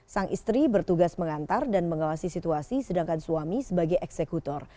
sang istri bertugas mengantar dan mengawasi situasi sedangkan suami sebagai eksekutor